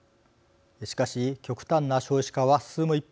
しかし極端な少子化は進む一方です。